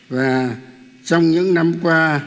và trong những năm qua